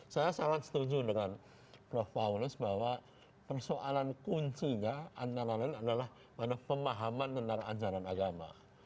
saya sangat setuju dengan prof paulus bahwa persoalan kuncinya antara lain adalah pada pemahaman tentang ajaran agama